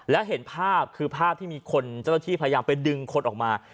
แล้วเห็นภาพคือภาพที่มีคนเจ้าหน้าที่พยายามไปดึงคนออกมา